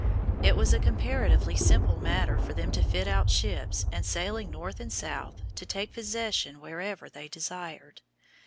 It was a comparatively simple matter for them to fit out ships, and sailing north and south, to take possession wherever they desired.